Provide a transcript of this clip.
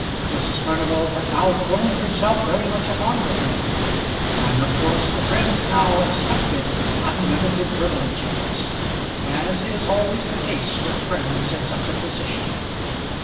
Mrs. Furnival had now thrown herself very much upon her friend, and of course the friend now expected unlimited privileges; as is always the case with friends in such a position.